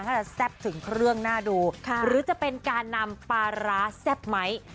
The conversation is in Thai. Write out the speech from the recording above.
ถ้าจะแซ่บถึงเครื่องน่าดูหรือจะเป็นการนำปลาร้าแซ่บไหม